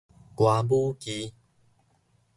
歌舞伎